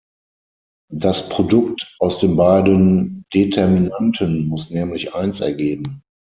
Das Produkt aus den beiden Determinanten muss nämlich Eins ergeben.